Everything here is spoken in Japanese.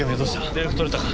連絡取れたか？